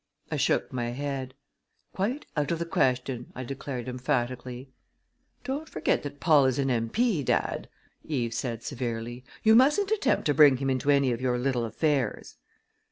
I shook my head. "Quite out of the question!" I declared emphatically. "Don't forget that Paul is an M.P., dad!" Eve said severely. "You mustn't attempt to bring him into any of your little affairs."